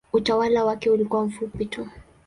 Utawala wake ulikuwa mfupi tu.